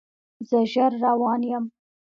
زه ژر روان یم